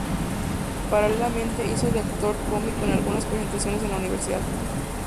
Paralelamente, hizo de actor cómico en algunas presentaciones en la universidad.